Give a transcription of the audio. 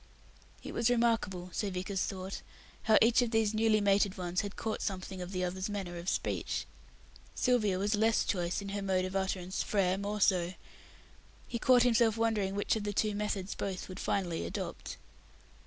It was remarkable so Vickers thought how each of these newly mated ones had caught something of the other's manner of speech. Sylvia was less choice in her mode of utterance; Frere more so. He caught himself wondering which of the two methods both would finally adopt.